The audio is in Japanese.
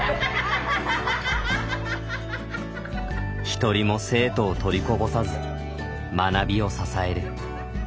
一人も生徒を取りこぼさず学びを支える。